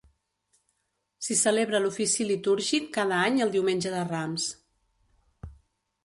S'hi celebra l'ofici litúrgic cada any el Diumenge de Rams.